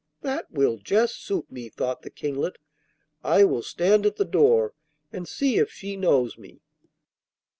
'That will just suit me,' thought the Kinglet; 'I will stand at the door and see if she knows me.